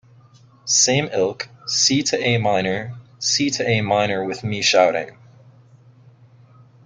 Same ilk: C to A minor, C to A minor-with me shouting.